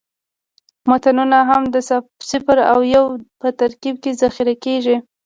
متنونه هم د صفر او یو په ترکیب ذخیره کېږي.